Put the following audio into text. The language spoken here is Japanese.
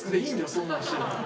そんなの。